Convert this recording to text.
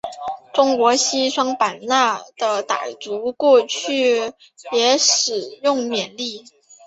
中国西双版纳的傣族过去也使用缅历。